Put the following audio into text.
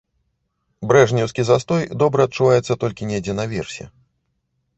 Брэжнеўскі застой добра адчуваецца толькі недзе наверсе.